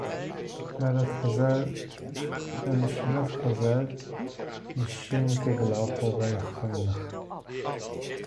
Maar ik vind hoe dan ook dat wij uiteindelijk onszelf door dit gedrag bestraffen.